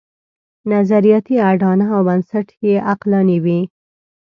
نظریاتي اډانه او بنسټ یې عقلاني وي.